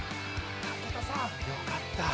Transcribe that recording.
よかった